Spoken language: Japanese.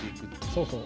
そうそう。